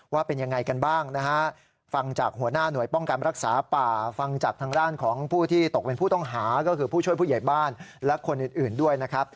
ว่าเป็นยังไงกันบ้างนะฮะฟังจากหัวหน้าหน่วยป้องกันรักษาป่าฟังจากทางด้านของผู้ที่ตกเป็นผู้ต้องหาก็คือผู้ช่วยผู้ใหญ่บ้านและคนอื่นด้วยนะครับ